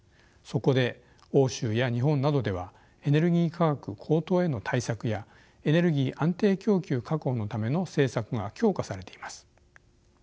そこで欧州や日本などではエネルギー価格高騰への対策やエネルギー安定供給確保のための政策が強化されています。